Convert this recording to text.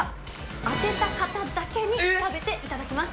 当てた方だけに食べていただきます。